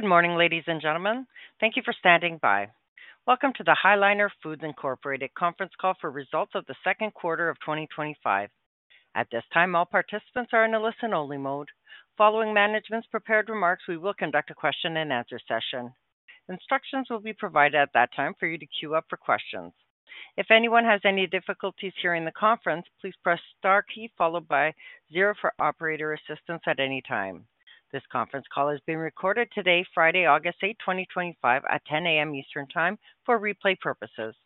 Good morning, ladies and gentlemen. Thank you for standing by. Welcome to the High Liner Foods Incorporated Conference Call for Results of the Second Quarter of 2025. At this time, all participants are in a listen-only mode. Following management's prepared remarks, we will conduct a question and answer session. Instructions will be provided at that time for you to queue up for questions. If anyone has any difficulties hearing the conference, please press the star key followed by zero for operator assistance at any time. This conference call is being recorded today, Friday, August 8, 2025, at 10:00 A.M. Eastern Time for replay purposes.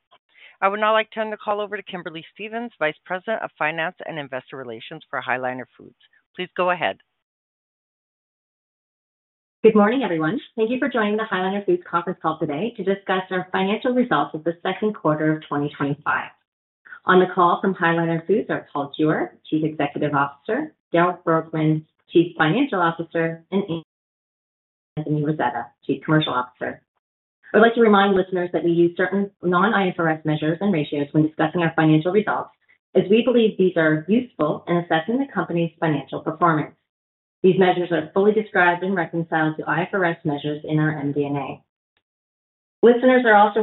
I would now like to turn the call over to Kimberly Stephens, Vice President of Finance and Investor Relations for High Liner Foods. Please go ahead. Good morning, everyone. Thank you for joining the High Liner Foods conference call today to discuss our financial results of the second quarter of 2025. On the call from High Liner Foods are Paul Jewer, Chief Executive Officer, Darryl Bergman, Chief Financial Officer, and Anthony Rasetta, Chief Commercial Officer. I would like to remind listeners that we use certain non-IFRS measures and ratios when discussing our financial results, as we believe these are useful in assessing the company's financial performance. These measures are fully described and reconciled to IFRS measures in our MD&A. Listeners are also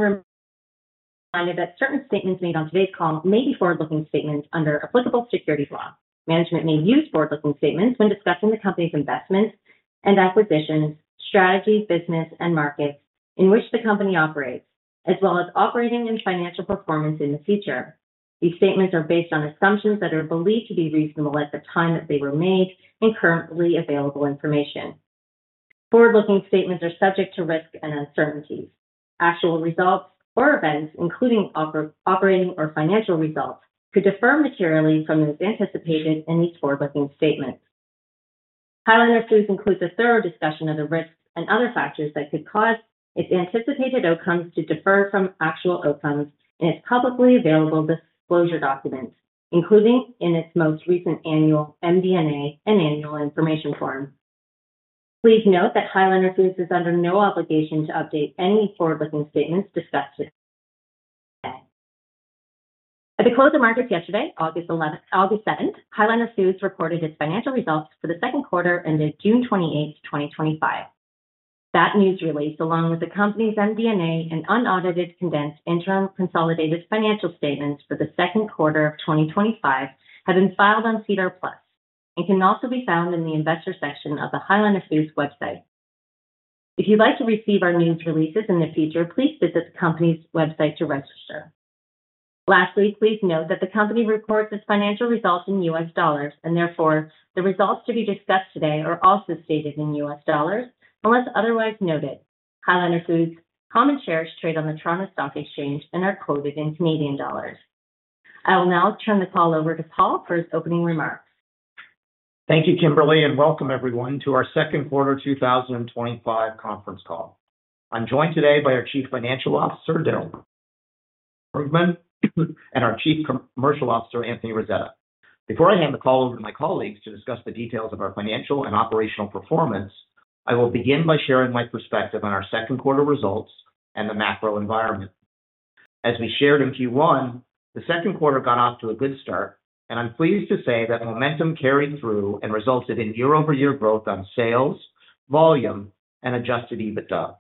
reminded that certain statements made on today's call may be forward-looking statements under applicable securities law. Management may use forward-looking statements when discussing the company's investments and acquisitions, strategy, business, and markets in which the company operates, as well as operating and financial performance in the future. These statements are based on assumptions that are believed to be reasonable at the time that they were made and currently available information. Forward-looking statements are subject to risk and uncertainty. Actual results or events, including operating or financial results, could differ materially from the anticipated in these forward-looking statements. High Liner Foods includes a thorough discussion of the risks and other factors that could cause its anticipated outcomes to differ from actual outcomes in its publicly available disclosure documents, including in its most recent annual MD&A and annual information form. Please note that High Liner Foods is under no obligation to update any forward-looking statements discussed today. At the close of markets yesterday, August 11, High Liner Foods reported its financial results for the second quarter ended June 28, 2025. That news release, along with the company's MD&A and unaudited condensed interim consolidated financial statements for the second quarter of 2025, have been filed on SEDAR+ and can also be found in the investor section of the High Liner Foods website. If you'd like to receive our news releases in the future, please visit the company's website to register. Lastly, please note that the company reports its financial results in U.S. dollars, and therefore the results to be discussed today are also stated in U.S. dollars unless otherwise noted. High Liner Foods' common shares trade on the Toronto Stock Exchange and are quoted in Canadian dollars. I will now turn the call over to Paul for his opening remarks. Thank you, Kimberly, and welcome everyone to our second quarter 2025 conference call. I'm joined today by our Chief Financial Officer, Darryl Bergman, and our Chief Commercial Officer, Anthony Rasetta. Before I hand the call over to my colleagues to discuss the details of our financial and operational performance, I will begin by sharing my perspective on our second quarter results and the macro environment. As we shared in Q1, the second quarter got off to a good start, and I'm pleased to say that momentum carried through and resulted in year-over-year growth on sales, volume, and adjusted EBITDA.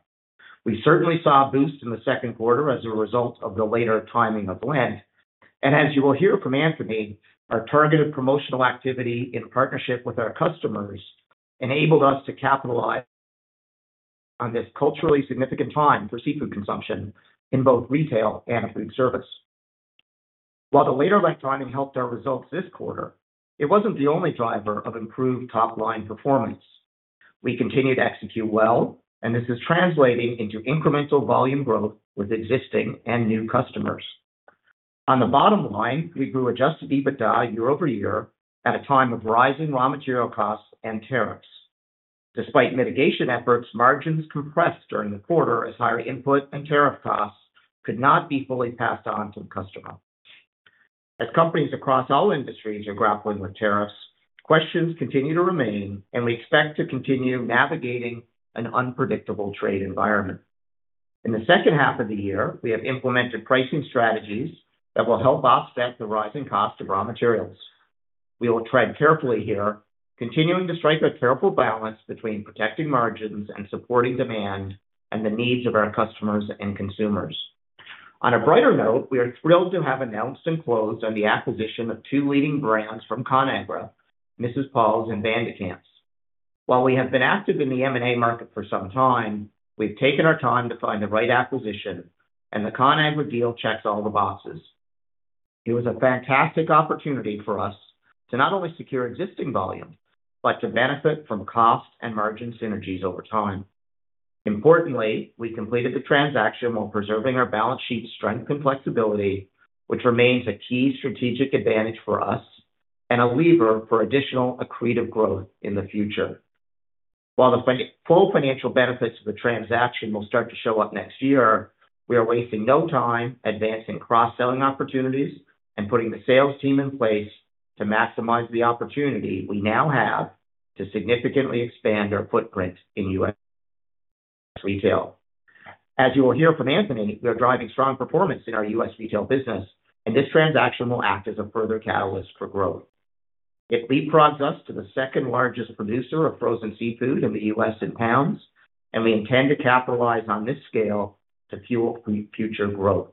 We certainly saw a boost in the second quarter as a result of the later timing of the Lent, and as you will hear from Anthony, our targeted promotional activity in partnership with our customers enabled us to capitalize on this culturally significant time for seafood consumption in both retail and food service. While the later Lent timing helped our results this quarter, it wasn't the only driver of improved top-line performance. We continue to execute well, and this is translating into incremental volume growth with existing and new customers. On the bottom line, we grew adjusted EBITDA year over year at a time of rising raw material costs and tariffs. Despite mitigation efforts, margins compressed during the quarter as higher input and tariff costs could not be fully passed on to the customer. As companies across all industries are grappling with tariffs, questions continue to remain, and we expect to continue navigating an unpredictable trade environment. In the second half of the year, we have implemented pricing strategies that will help offset the rising cost of raw materials. We will tread carefully here, continuing to strike a careful balance between protecting margins and supporting demand and the needs of our customers and consumers. On a brighter note, we are thrilled to have announced and closed on the acquisition of two leading brands from Conagra, Mrs. Paul's and Van de Kamp's. While we have been active in the M&A market for some time, we've taken our time to find the right acquisition, and the Conagra deal checks all the boxes. It was a fantastic opportunity for us to not only secure existing volumes, but to benefit from cost and margin synergies over time. Importantly, we completed the transaction while preserving our balance sheet strength and flexibility, which remains a key strategic advantage for us and a lever for additional accretive growth in the future. While the full financial benefits of the transaction will start to show up next year, we are wasting no time advancing cross-selling opportunities and putting the sales team in place to maximize the opportunity we now have to significantly expand our footprint in U.S. retail. As you will hear from Anthony, we are driving strong performance in our U.S. retail business, and this transaction will act as a further catalyst for growth. It leapfrogged us to the second largest producer of frozen seafood in the U.S. in pounds, and we intend to capitalize on this scale to fuel future growth.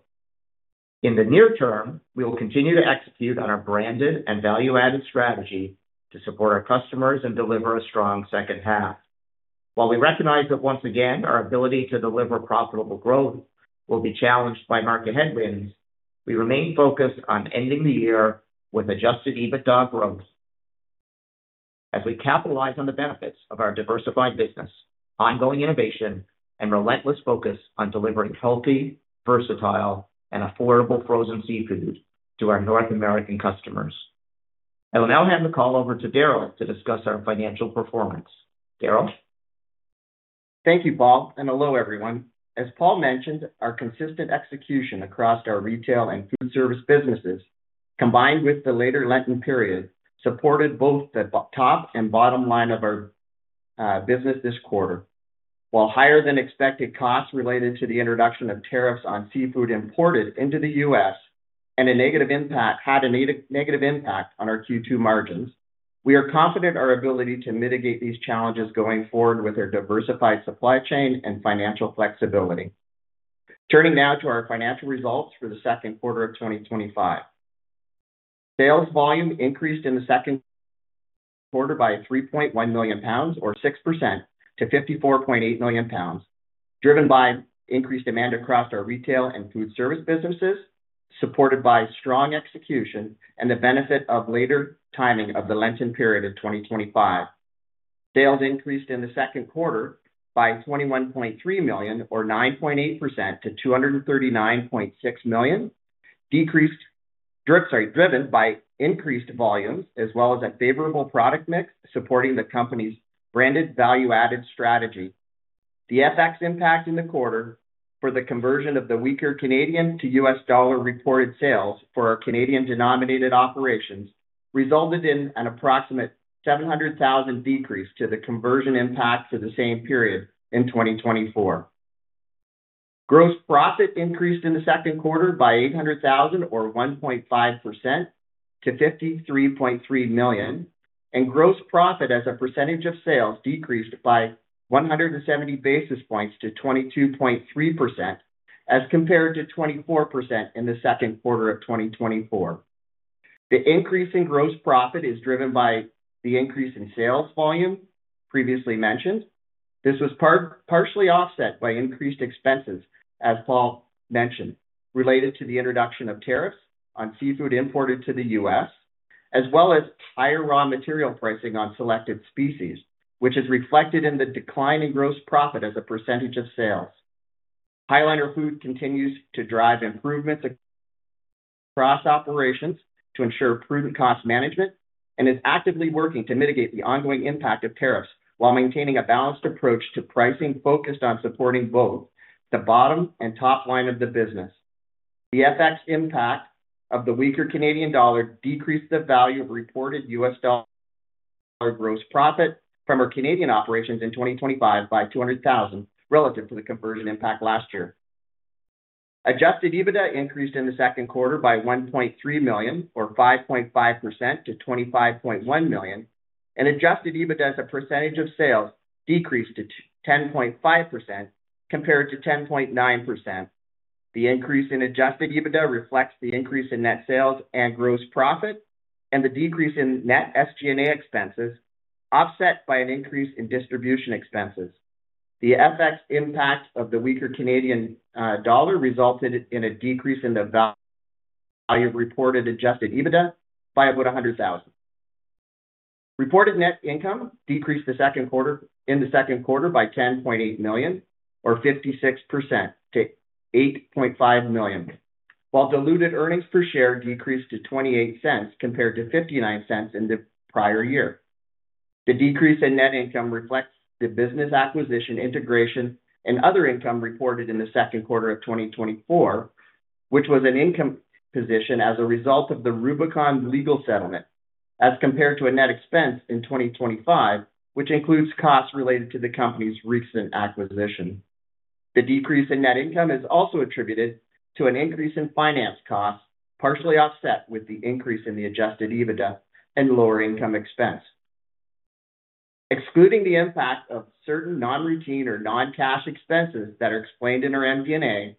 In the near term, we will continue to execute on our branded and value-added strategy to support our customers and deliver a strong second half. While we recognize that once again, our ability to deliver profitable growth will be challenged by market headwinds, we remain focused on ending the year with adjusted EBITDA growth as we capitalize on the benefits of our diversified business, ongoing innovation, and relentless focus on delivering healthy, versatile, and affordable frozen seafood to our North American customers. I will now hand the call over to Darryl to discuss our financial performance. Darryl? Thank you, Paul, and hello everyone. As Paul mentioned, our consistent execution across our retail and food service businesses, combined with the later Lenten period, supported both the top and bottom line of our business this quarter. While higher than expected costs related to the introduction of tariffs on seafood imported into the U.S., and a negative impact had a negative impact on our Q2 margins, we are confident in our ability to mitigate these challenges going forward with our diversified supply chain and financial flexibility. Turning now to our financial results for the second quarter of 2025. Sales volume increased in the second quarter by 3.1 million lbs, or 6%, to 54.8 million lbs, driven by increased demand across our retail and food service businesses, supported by strong execution and the benefit of later timing of the Lenten period of 2025. Sales increased in the second quarter by $21.3 million, or 9.8%, to $239.6 million, driven by increased volume as well as a favorable product mix supporting the company's branded value-added strategy. The FX impact in the quarter for the conversion of the weaker Canadian to U.S. dollar reported sales for our Canadian denominated operations resulted in an approximate $700,000 decrease to the conversion impact for the same period in 2024. Gross profit increased in the second quarter by $800,000, or 1.5%, to $53.3 million, and gross profit as a percentage of sales decreased by 170 basis points to 22.3% as compared to 24% in the second quarter of 2024. The increase in gross profit is driven by the increase in sales volume previously mentioned. This was partially offset by increased expenses, as Paul mentioned, related to the introduction of tariffs on seafood imported to the U.S., as well as higher raw material pricing on selected species, which is reflected in the decline in gross profit as a percentage of sales. High Liner Foods continues to drive improvements across operations to ensure prudent cost management and is actively working to mitigate the ongoing impact of tariffs while maintaining a balanced approach to pricing focused on supporting both the bottom and top line of the business. The FX impact of the weaker Canadian dollar decreased the value of reported U.S. dollar gross profit from our Canadian operations in 2025 by $200,000 relative to the conversion impact last year. Adjusted EBITDA increased in the second quarter by $1.3 million, or 5.5%, to $25.1 million, and adjusted EBITDA as a percentage of sales decreased to 10.5% compared to 10.9%. The increase in adjusted EBITDA reflects the increase in net sales and gross profit and the decrease in net SG&A expenses, offset by an increase in distribution expenses. The FX impact of the weaker Canadian dollar resulted in a decrease in the value of reported adjusted EBITDA by about $100,000. Reported net income decreased in the second quarter by $10.8 million, or 56%, to $8.5 million, while diluted earnings per share decreased to $0.28 compared to $0.59 in the prior year. The decrease in net income reflects the business acquisition integration and other income reported in the second quarter of 2024, which was an income position as a result of the Rubicon legal settlement, as compared to a net expense in 2025, which includes costs related to the company's recent acquisition. The decrease in net income is also attributed to an increase in finance costs, partially offset with the increase in the adjusted EBITDA and lower income expense. Excluding the impact of certain non-routine or non-cash expenses that are explained in our MVNA,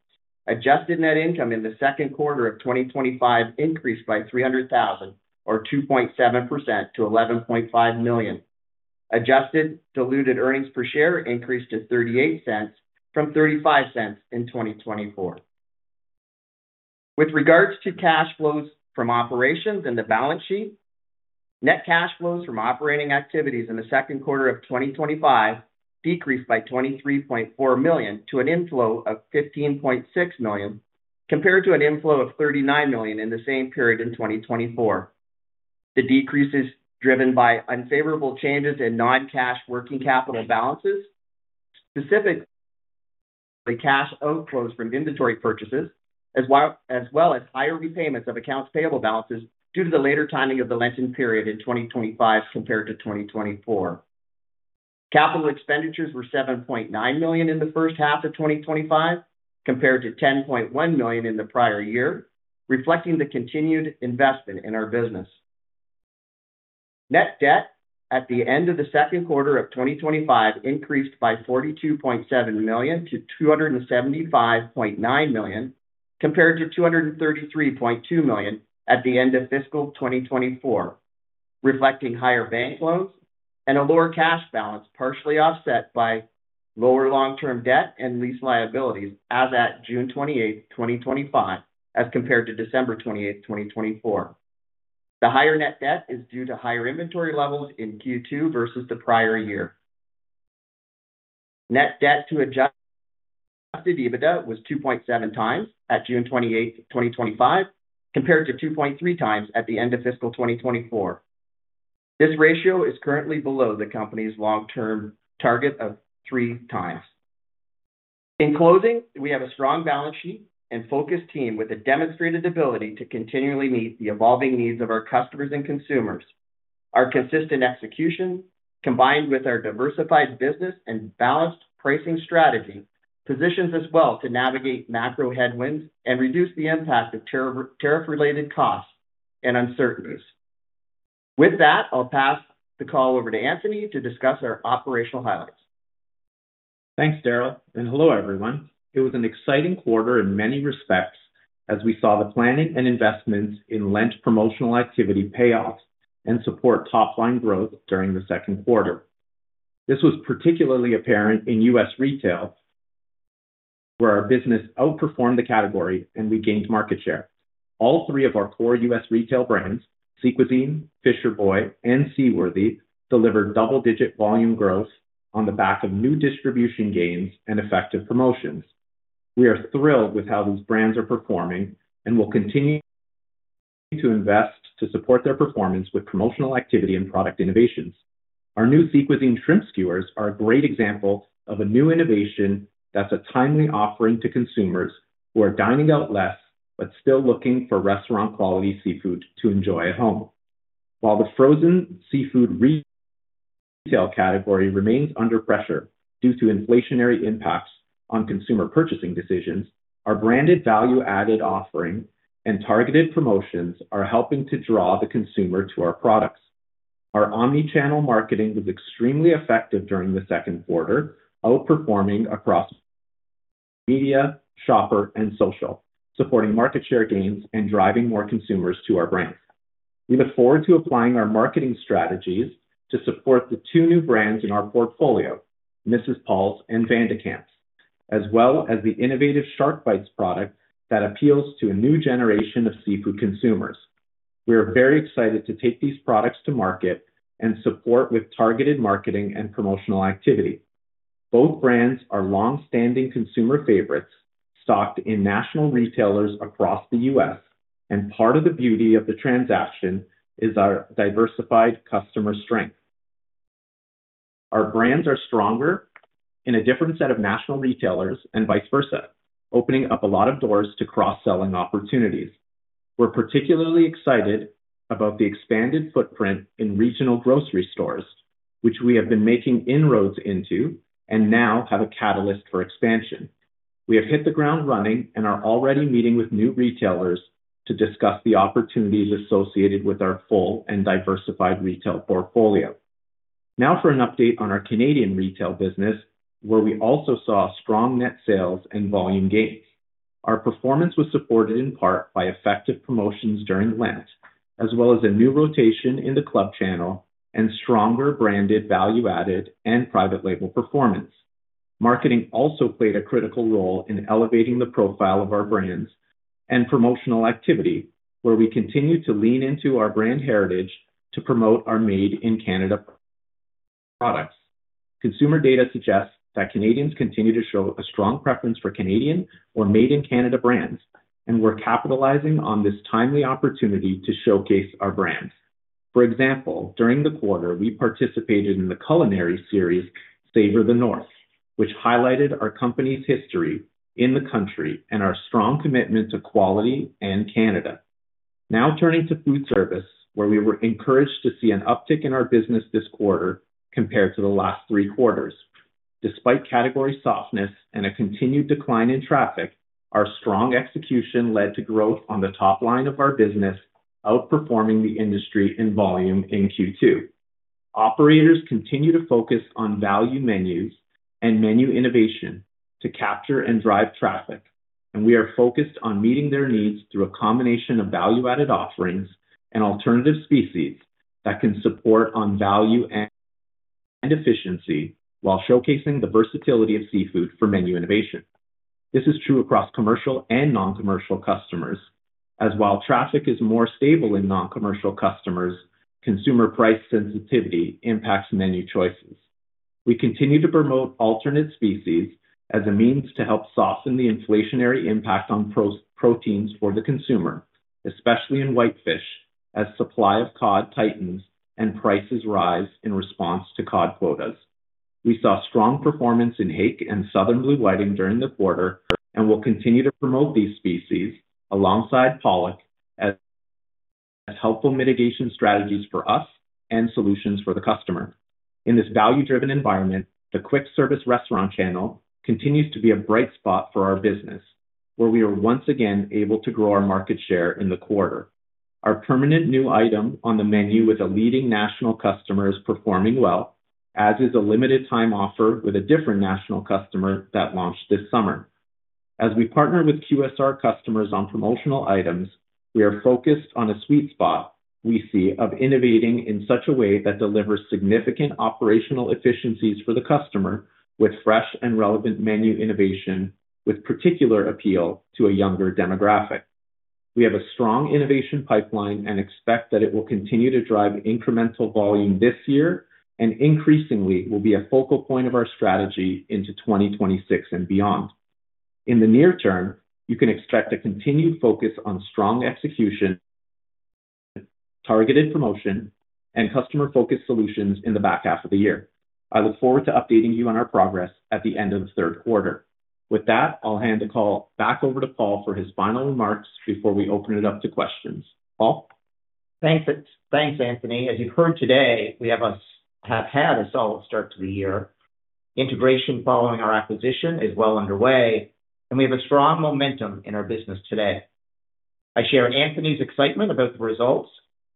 adjusted net income in the second quarter of 2025 increased by $300,000, or 2.7%, to $11.5 million. Adjusted diluted earnings per share increased to $0.38 from $0.35 in 2024. With regards to cash flows from operations and the balance sheet, net cash flows from operating activities in the second quarter of 2025 decreased by $23.4 million to an inflow of $15.6 million compared to an inflow of $39 million in the same period in 2024. The decrease is driven by unfavorable changes in non-cash working capital balances, specifically cash outflows from inventory purchases, as well as higher repayments of accounts payable balances due to the later timing of the Lenten period in 2025 compared to 2024. Capital expenditures were $7.9 million in the first half of 2025 compared to $10.1 million in the prior year, reflecting the continued investment in our business. Net debt at the end of the second quarter of 2025 increased by $42.7 million to $275.9 million compared to $233.2 million at the end of fiscal 2024, reflecting higher bank loans and a lower cash balance, partially offset by lower long-term debt and lease liabilities as at June 28, 2025, as compared to December 28, 2024. The higher net debt is due to higher inventory levels in Q2 versus the prior year. Net debt to adjusted EBITDA was 2.7x at June 28, 2025, compared to 2.3x at the end of fiscal 2024. This ratio is currently below the company's long-term target of 3 times. In closing, we have a strong balance sheet and focused team with a demonstrated ability to continually meet the evolving needs of our customers and consumers. Our consistent execution, combined with our diversified business and balanced pricing strategy, positions us well to navigate macro headwinds and reduce the impact of tariff-related costs and uncertainties. With that, I'll pass the call over to Anthony to discuss our operational highlights. Thanks, Darryl, and hello everyone. It was an exciting quarter in many respects as we saw the planning and investments in Lent promotional activity pay off and support top-line growth during the second quarter. This was particularly apparent in U.S. retail, where our business outperformed the category and we gained market share. All three of our core U.S. retail brands, Sea Cuisine, Fisher Boy, and C. Wirthy, delivered double-digit volume growth on the back of new distribution gains and effective promotions. We are thrilled with how these brands are performing and will continue to invest to support their performance with promotional activity and product innovations. Our new Sea Cuisine shrimp skewers are a great example of a new innovation that's a timely offering to consumers who are dining out less but still looking for restaurant-quality seafood to enjoy at home. While the frozen seafood retail category remains under pressure due to inflationary impacts on consumer purchasing decisions, our branded value-added offering and targeted promotions are helping to draw the consumer to our products. Our omnichannel marketing was extremely effective during the second quarter, outperforming across media, shopper, and social, supporting market share gains and driving more consumers to our brand. We look forward to applying our marketing strategies to support the two new brands in our portfolio, Mrs. Paul's and Van de Kamp's, as well as the innovative Shark Bites product that appeals to a new generation of seafood consumers. We are very excited to take these products to market and support with targeted marketing and promotional activity. Both brands are long-standing consumer favorites stocked in national retailers across the U.S., and part of the beauty of the transaction is our diversified customer strength. Our brands are stronger in a different set of national retailers and vice versa, opening up a lot of doors to cross-selling opportunities. We're particularly excited about the expanded footprint in regional grocery stores, which we have been making inroads into and now have a catalyst for expansion. We have hit the ground running and are already meeting with new retailers to discuss the opportunities associated with our full and diversified retail portfolio. Now for an update on our Canadian retail business, where we also saw strong net sales and volume gains. Our performance was supported in part by effective promotions during Lent, as well as a new rotation in the Club Channel and stronger branded value-added and private label performance. Marketing also played a critical role in elevating the profile of our brands and promotional activity, where we continue to lean into our brand heritage to promote our made-in-Canada products. Consumer data suggests that Canadians continue to show a strong preference for Canadian or made-in-Canada brands, and we're capitalizing on this timely opportunity to showcase our brands. For example, during the quarter, we participated in the culinary series Savour the North, which highlighted our company's history in the country and our strong commitment to quality and Canada. Now turning to food service, where we were encouraged to see an uptick in our business this quarter compared to the last three quarters. Despite category softness and a continued decline in traffic, our strong execution led to growth on the top line of our business, outperforming the industry in volume in Q2. Operators continue to focus on value menus and menu innovation to capture and drive traffic, and we are focused on meeting their needs through a combination of value-added offerings and alternative species that can support on value and efficiency while showcasing the versatility of seafood for menu innovation. This is true across commercial and non-commercial customers, as while traffic is more stable in non-commercial customers, consumer price sensitivity impacts menu choices. We continue to promote alternate species as a means to help soften the inflationary impact on proteins for the consumer, especially in whitefish, as supply of cod tightens and prices rise in response to cod quotas. We saw strong performance in Hake and Southern Blue Whiting during the quarter and will continue to promote these species alongside Pollock as helpful mitigation strategies for us and solutions for the customer. In this value-driven environment, the quick service restaurant channel continues to be a bright spot for our business, where we are once again able to grow our market share in the quarter. Our permanent new item on the menu with a leading national customer is performing well, as is a limited-time offer with a different national customer that launched this summer. As we partner with quick service restaurant customers on promotional items, we are focused on a sweet spot we see of innovating in such a way that delivers significant operational efficiencies for the customer with fresh and relevant menu innovation with particular appeal to a younger demographic. We have a strong innovation pipeline and expect that it will continue to drive incremental volume this year and increasingly will be a focal point of our strategy into 2026 and beyond. In the near term, you can expect a continued focus on strong execution, targeted promotion, and customer-focused solutions in the back half of the year. I look forward to updating you on our progress at the end of the third quarter. With that, I'll hand the call back over to Paul for his final remarks before we open it up to questions. Paul? Thanks, Anthony. As you've heard today, we have had a solid start to the year. Integration following our acquisition is well underway, and we have strong momentum in our business today. I share Anthony's excitement about the results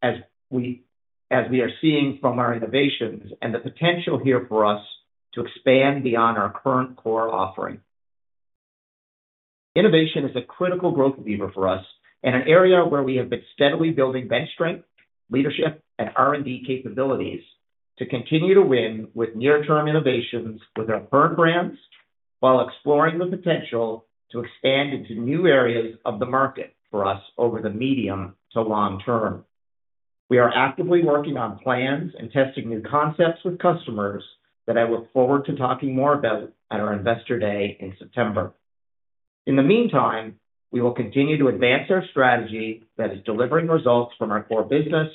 as we are seeing from our innovations and the potential here for us to expand beyond our current core offering. Innovation is a critical growth lever for us and an area where we have been steadily building bench strength, leadership, and R&D capabilities to continue to win with near-term innovations with our current brands while exploring the potential to expand into new areas of the market for us over the medium to long term. We are actively working on plans and testing new concepts with customers that I look forward to talking more about at our Investor Day in September. In the meantime, we will continue to advance our strategy that is delivering results from our core business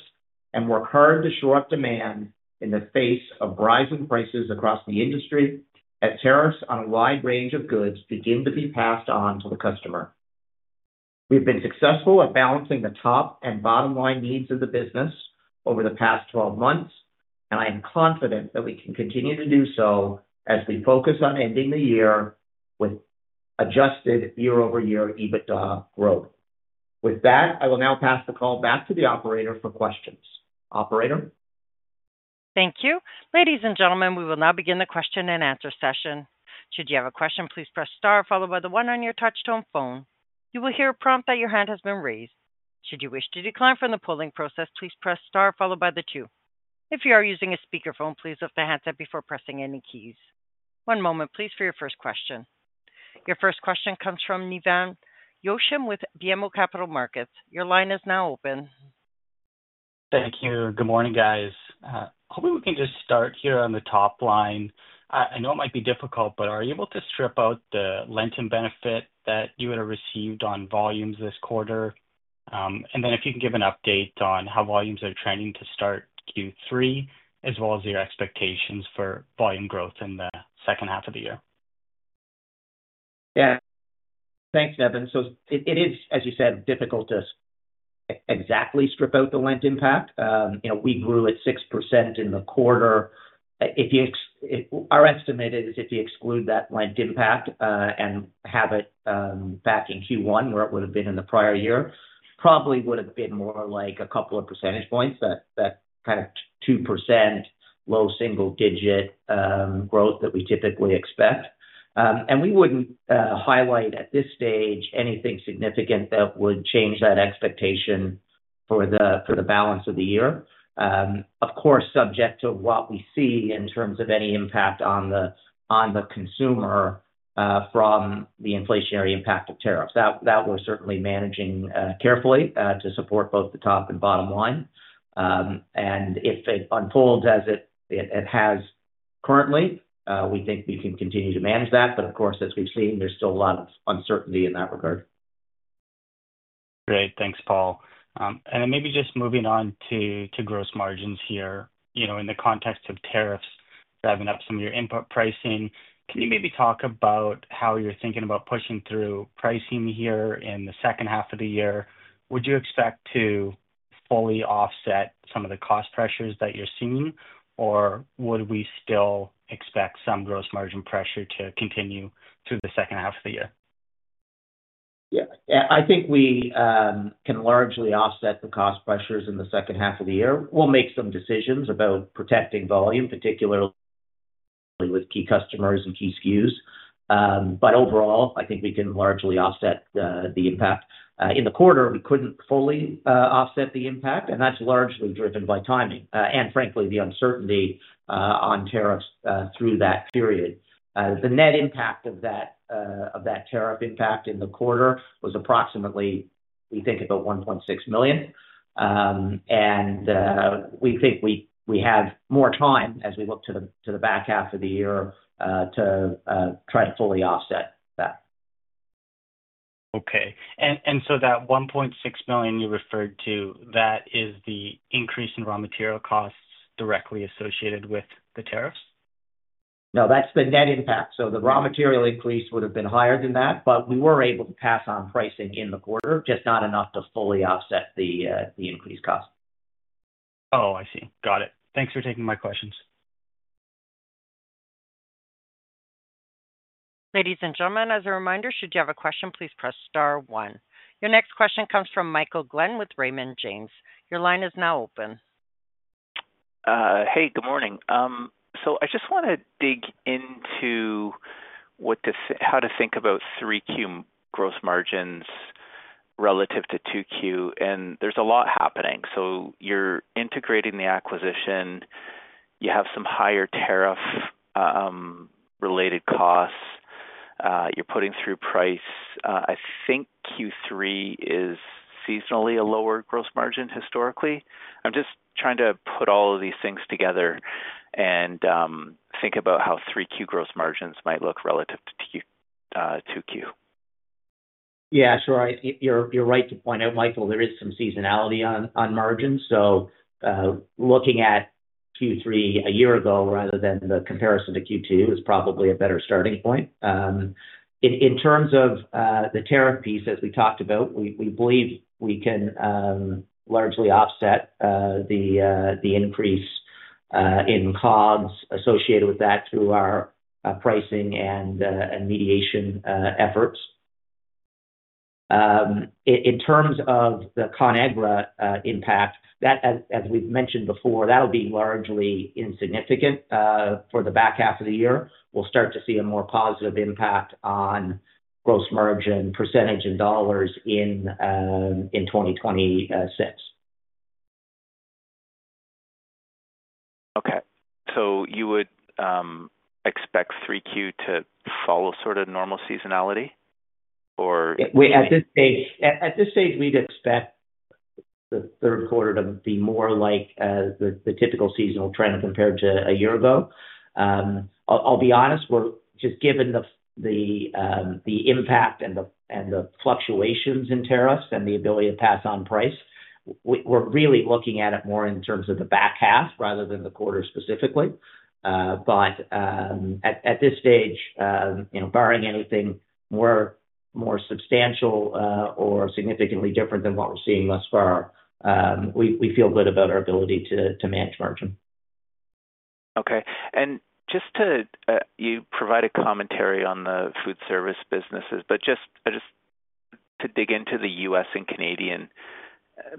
and work hard to shore up demand in the face of rising prices across the industry as tariffs on a wide range of goods begin to be passed on to the customer. We've been successful at balancing the top and bottom line needs of the business over the past 12 months, and I am confident that we can continue to do so as we focus on ending the year with adjusted year-over-year EBITDA growth. With that, I will now pass the call back to the operator for questions. Operator? Thank you. Ladies and gentlemen, we will now begin the question and answer session. Should you have a question, please press star followed by the one on your touch-tone phone. You will hear a prompt that your hand has been raised. Should you wish to decline from the polling process, please press star followed by the two. If you are using a speaker phone, please lift a handset before pressing any keys. One moment, please, for your first question. Your first question comes from Nevan Yochim with BMO Capital Markets. Your line is now open. Thank you. Good morning, guys. Hoping we can just start here on the top line. I know it might be difficult, but are you able to strip out the Lenten and benefit that you would have received on volumes this quarter? If you can give an update on how volumes are trending to start Q3, as well as your expectations for volume growth in the second half of the year. Yeah, thanks, Nevan. It is, as you said, difficult to exactly strip out the Lent impact. You know, we grew at 6% in the quarter. Our estimate is if you exclude that Lent impact and have it back in Q1, where it would have been in the prior year, probably would have been more like a couple of percentage points, that kind of 2% low single-digit growth that we typically expect. We wouldn't highlight at this stage anything significant that would change that expectation for the balance of the year. Of course, subject to what we see in terms of any impact on the consumer from the inflationary impact of tariffs. We're certainly managing carefully to support both the top and bottom line. If it unfolds as it has currently, we think we can continue to manage that. Of course, as we've seen, there's still a lot of uncertainty in that regard. Great, thanks, Paul. Maybe just moving on to gross margins here, you know, in the context of tariffs driving up some of your input pricing, can you talk about how you're thinking about pushing through pricing here in the second half of the year? Would you expect to fully offset some of the cost pressures that you're seeing, or would we still expect some gross margin pressure to continue through the second half of the year? Yeah, I think we can largely offset the cost pressures in the second half of the year. We'll make some decisions about protecting volume, particularly with key customers and key SKUs. Overall, I think we can largely offset the impact. In the quarter, we couldn't fully offset the impact, and that's largely driven by timing and, frankly, the uncertainty on tariffs through that period. The net impact of that tariff impact in the quarter was approximately, we think, about $1.6 million. We think we have more time as we look to the back half of the year to try to fully offset that. Okay, that $1.6 million you referred to, that is the increase in raw material costs directly associated with the tariffs? No, that's the net impact. The raw material increase would have been higher than that, but we were able to pass on pricing in the quarter, just not enough to fully offset the increased cost. Oh, I see. Got it. Thanks for taking my questions. Ladies and gentlemen, as a reminder, should you have a question, please press star one. Your next question comes from Michael Glen with Raymond James. Your line is now open. Good morning. I just want to dig into how to think about 3Q gross margins relative to 2Q, and there's a lot happening. You're integrating the acquisition, you have some higher tariff-related costs, and you're putting through price. I think Q3 is seasonally a lower gross margin historically. I'm just trying to put all of these things together and think about how 3Q gross margins might look relative to 2Q. Yeah, sure. You're right to point out, Michael, there is some seasonality on margins. Looking at Q3 a year ago rather than the comparison to Q2 is probably a better starting point. In terms of the tariff piece, as we talked about, we believe we can largely offset the increase in COGs associated with that through our pricing and mediation efforts. In terms of the Conagra impact, as we've mentioned before, that'll be largely insignificant for the back half of the year. We'll start to see a more positive impact on gross margin percentage in dollars in 2026. Okay, so you would expect 3Q to follow sort of normal seasonality? At this stage, we'd expect the third quarter to be more like the typical seasonal trend compared to a year ago. I'll be honest, just given the impact and the fluctuations in tariffs and the ability to pass on price, we're really looking at it more in terms of the back half rather than the quarter specifically. At this stage, barring anything more substantial or significantly different than what we're seeing thus far, we feel good about our ability to manage margin. Okay, just to provide a commentary on the food service businesses, just to dig into the U.S. and Canadian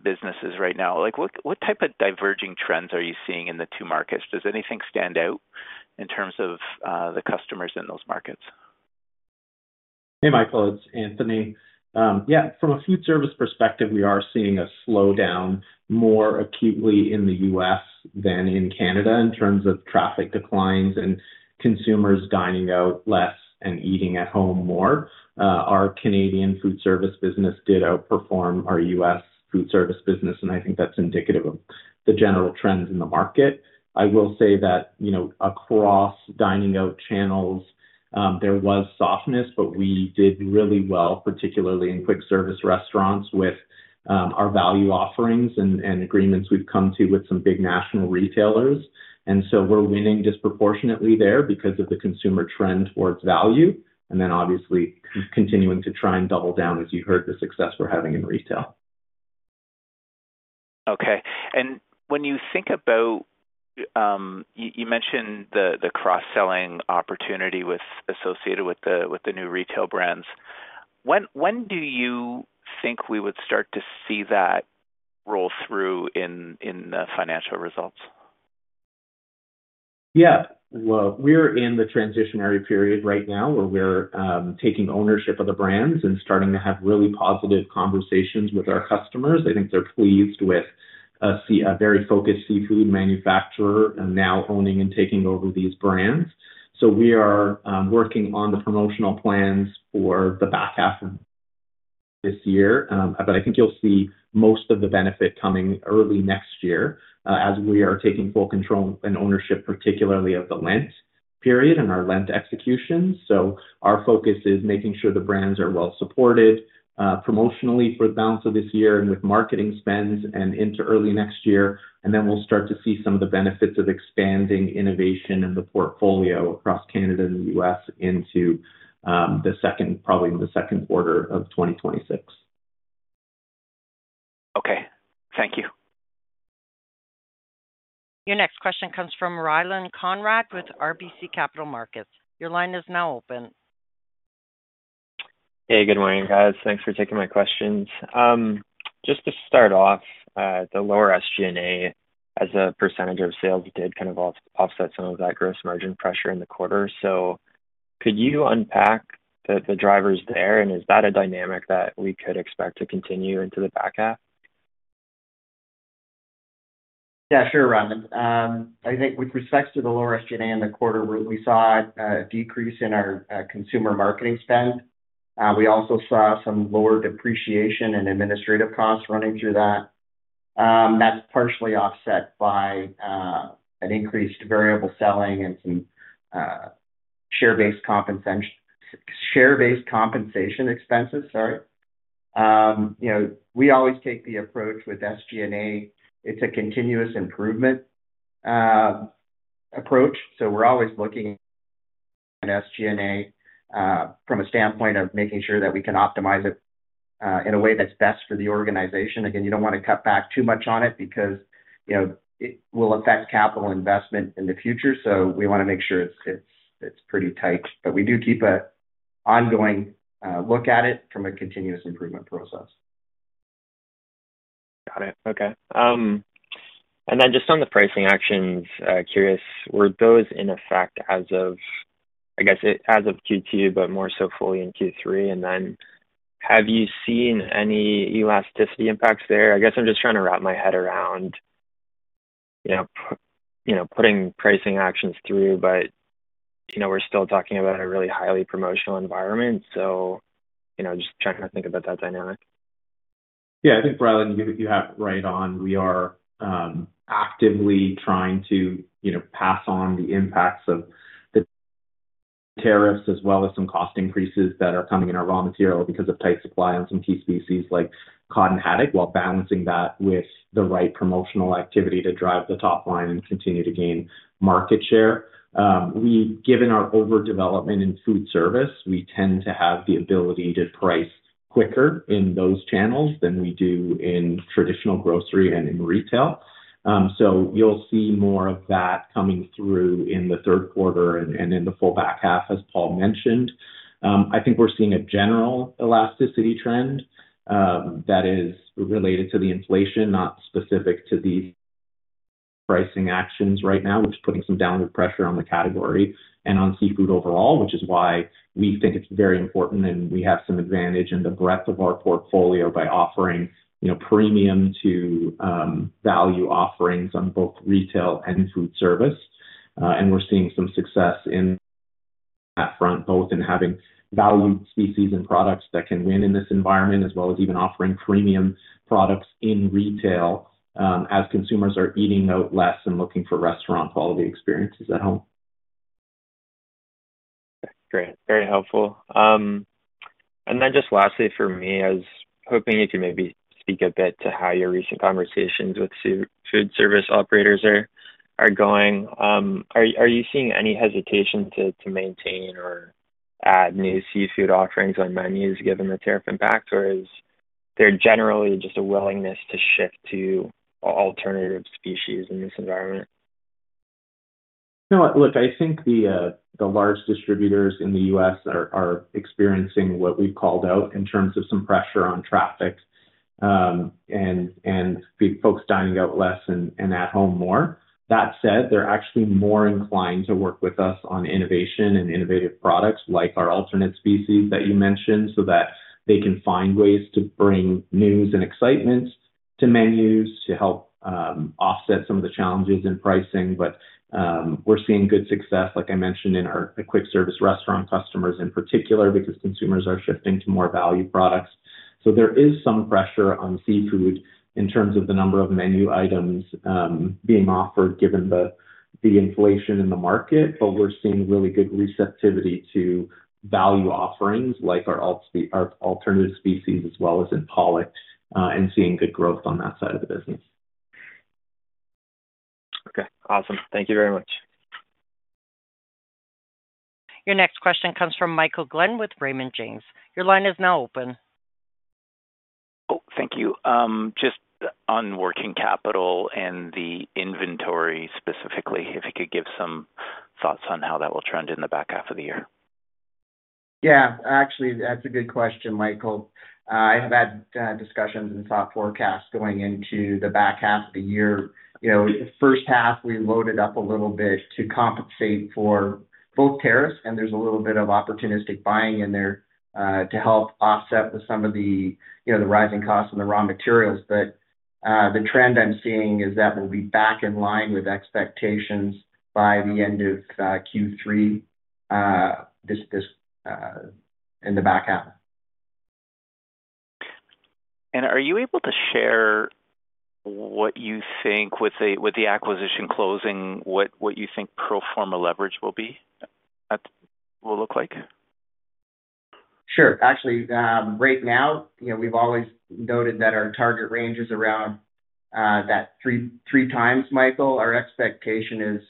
businesses right now, what type of diverging trends are you seeing in the two markets? Does anything stand out in terms of the customers in those markets? Hey, Michael, it's Anthony. Yeah, from a food service perspective, we are seeing a slowdown more acutely in the U.S. than in Canada in terms of traffic declines and consumers dining out less and eating at home more. Our Canadian food service business did outperform our U.S. food service business, and I think that's indicative of the general trends in the market. I will say that across dining out channels, there was softness, but we did really well, particularly in quick service restaurants with our value offerings and agreements we've come to with some big national retailers. We are winning disproportionately there because of the consumer trend towards value, and obviously continuing to try and double down, as you heard, the success we're having in retail. Okay, when you think about, you mentioned the cross-selling opportunity associated with the new retail brands. When do you think we would start to see that roll through in the financial results? Yeah, we're in the transitionary period right now where we're taking ownership of the brands and starting to have really positive conversations with our customers. I think they're pleased with a very focused seafood manufacturer now owning and taking over these brands. We are working on the promotional plans for the back half of this year, but I think you'll see most of the benefit coming early next year as we are taking full control and ownership, particularly of the Lent period and our Lent execution. Our focus is making sure the brands are well supported promotionally for the balance of this year with marketing spends and into early next year. We'll start to see some of the benefits of expanding innovation in the portfolio across Canada and the U.S. into the second, probably in the second quarter of 2026. Okay, thank you. Your next question comes from Rylan Conrad with RBC Capital Markets. Your line is now open. Hey, good morning, guys. Thanks for taking my questions. Just to start off, the lower SG&A as a percentage of sales did kind of offset some of that gross margin pressure in the quarter. Could you unpack the drivers there? Is that a dynamic that we could expect to continue into the back half? Yeah, sure, Rylan. I think with respect to the lower SG&A in the quarter, we saw a decrease in our consumer marketing spend. We also saw some lower depreciation and administrative costs running through that. That's partially offset by increased variable selling and some share-based compensation expenses. You know, we always take the approach with SG&A. It's a continuous improvement approach. We're always looking at SG&A from a standpoint of making sure that we can optimize it in a way that's best for the organization. You don't want to cut back too much on it because it will affect capital investment in the future. We want to make sure it's pretty tight, but we do keep an ongoing look at it from a continuous improvement process. Got it. Okay. On the pricing actions, curious, were those in effect as of, I guess, as of Q2, but more so fully in Q3? Have you seen any elasticity impacts there? I'm just trying to wrap my head around, you know, putting pricing actions through, but you know, we're still talking about a really highly promotional environment. Just trying to think about that dynamic. Yeah, I think Rylan, you have right on. We are actively trying to, you know, pass on the impacts of the tariffs as well as some cost increases that are coming in our raw material because of tight supply on some key species like cod and haddock, while balancing that with the right promotional activity to drive the top line and continue to gain market share. Given our overdevelopment in food service, we tend to have the ability to price quicker in those channels than we do in traditional grocery and in retail. You will see more of that coming through in the third quarter and in the full back half, as Paul mentioned. I think we're seeing a general elasticity trend that is related to the inflation, not specific to the pricing actions right now, which is putting some downward pressure on the category and on seafood overall, which is why we think it's very important and we have some advantage in the breadth of our portfolio by offering, you know, premium to value offerings on both retail and food service. We're seeing some success in that front, both in having value species and products that can win in this environment, as well as even offering premium products in retail as consumers are eating out less and looking for restaurant quality experiences at home. Great, very helpful. Lastly, I was hoping you could maybe speak a bit to how your recent conversations with food service operators are going. Are you seeing any hesitation to maintain or add new seafood offerings on menus given the tariff impacts, or is there generally just a willingness to shift to alternative species in this environment? No, look, I think the large distributors in the U.S. are experiencing what we've called out in terms of some pressure on traffic and folks dining out less and at home more. That said, they're actually more inclined to work with us on innovation and innovative products like our alternate species that you mentioned, so that they can find ways to bring news and excitement to menus to help offset some of the challenges in pricing. We're seeing good success, like I mentioned, in our quick service restaurant customers in particular because consumers are shifting to more value products. There is some pressure on seafood in terms of the number of menu items being offered given the inflation in the market, but we're seeing really good receptivity to value offerings like our alternative species as well as in Pollock and seeing good growth on that side of the business. Okay, awesome. Thank you very much. Your next question comes from Michael Glen with Raymond James. Your line is now open. Thank you. Just on working capital and the inventory specifically, if you could give some thoughts on how that will trend in the back half of the year. Yeah, actually, that's a good question, Michael. I have had discussions and thought forecasts going into the back half of the year. You know, first half, we loaded up a little bit to compensate for both tariffs, and there's a little bit of opportunistic buying in there to help offset some of the rising costs in the raw materials. The trend I'm seeing is that we'll be back in line with expectations by the end of Q3 in the back half. Are you able to share what you think with the acquisition closing, what you think pro forma leverage will be? Sure. Actually, right now, you know, we've always noted that our target range is around that 3x, Michael. Our expectation is,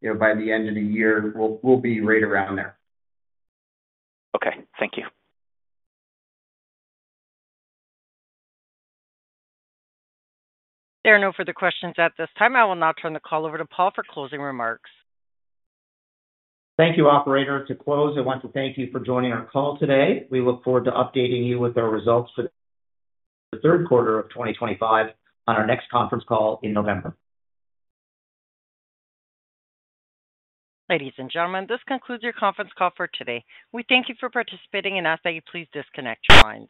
you know, by the end of the year, we'll be right around there. Okay, thank you. There are no further questions at this time. I will now turn the call over to Paul for closing remarks. Thank you, operator. To close, I want to thank you for joining our call today. We look forward to updating you with our results for the third quarter of 2025 on our next conference call in November. Ladies and gentlemen, this concludes your conference call for today. We thank you for participating and ask that you please disconnect your lines.